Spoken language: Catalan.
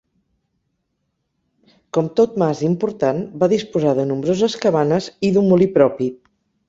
Com tot mas important va disposar de nombroses cabanes i d'un molí propi.